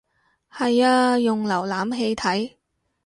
係啊用瀏覽器睇